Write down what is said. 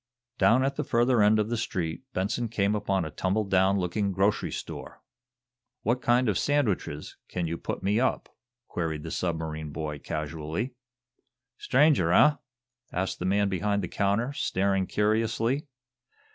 Down at the further end of the street Benson came upon a tumble down looking grocery store. "What kind of sandwiches can you put me up?" queried the submarine boy, casually. "Stranger, eh?" asked the man behind the counter, staring curiously.